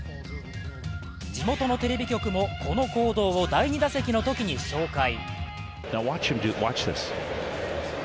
地元のテレビ局も、この行動を第２打席のときに紹介。